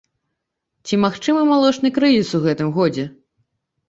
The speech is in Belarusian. Ці магчымы малочны крызіс у гэтым годзе?